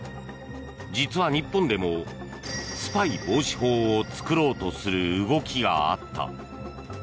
実は日本でも、スパイ防止法を作ろうとする動きがあった。